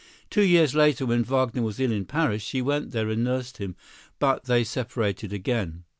Two years later, when Wagner was ill in Paris, she went there and nursed him, but they separated again.